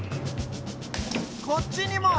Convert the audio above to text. こっちにも！